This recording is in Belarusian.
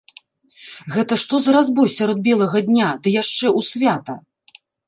Гэта што за разбой сярод белага дня, ды яшчэ ў свята?!